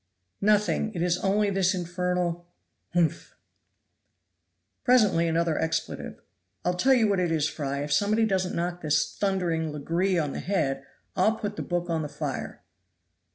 "Nothing, it is only this infernal humph!" Presently another expletive. "I'll tell you what it is, Fry, if somebody doesn't knock this thundering Legree on the head, I'll put the book on the fire."